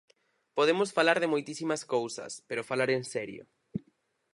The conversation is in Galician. Podemos falar de moitísimas cousas, pero falar en serio.